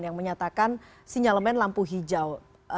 yang menyatakan sinyalemen lampu hijau